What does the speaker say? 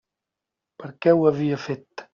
Per què ho havia fet?